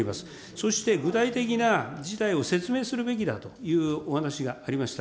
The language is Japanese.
そして、具体的な事態を説明するべきだというお話がありました。